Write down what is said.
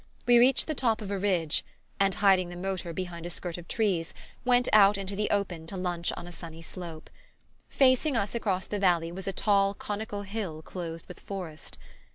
We reached the top of a ridge, and, hiding the motor behind a skirt of trees, went out into the open to lunch on a sunny slope. Facing us across the valley was a tall conical hill clothed with forest.